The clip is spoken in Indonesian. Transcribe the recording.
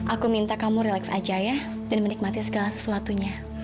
aku minta kamu relax aja ya dan menikmati segala sesuatunya